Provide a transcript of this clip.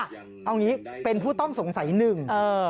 เอางี้เป็นผู้ต้องสงสัยหนึ่ง